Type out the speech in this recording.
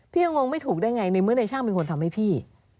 ยังงงไม่ถูกได้ไงในเมื่อในช่างเป็นคนทำให้พี่